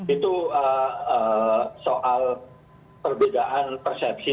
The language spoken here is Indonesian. itu soal perbedaan persepsi